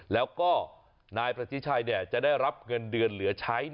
แล้วก็นายประชิชัยจะได้รับเงินเดือนเหลือใช้